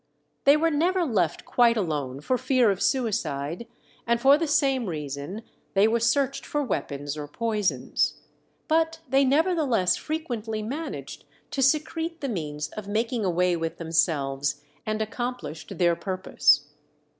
They were never left quite alone for fear of suicide, and for the same reason they were searched for weapons or poisons. But they nevertheless frequently managed to secrete the means of making away with themselves, and accomplished their purpose.